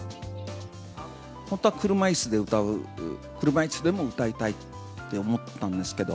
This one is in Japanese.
本当は車いすで歌う、車いすでも歌いたいって思ってたんですけど、